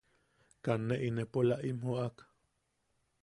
Kaa ne inepola im joʼak.